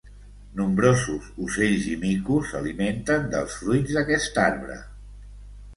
Nombrosos ocells i micos s'alimenten dels fruits d'aquest arbre.